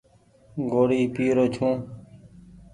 ڳوڙي پيرو ڇون ۔